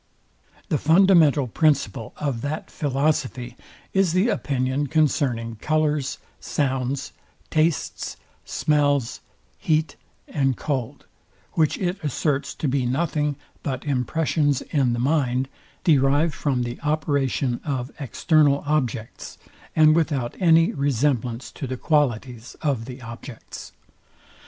The fundamental principle of that philosophy is the opinion concerning colours, sounds, tastes, smells, heat and cold; which it asserts to be nothing but impressions in the mind, derived from the operation of external objects, and without any resemblance to the qualities of the objects.